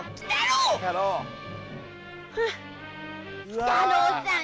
「鬼太郎さん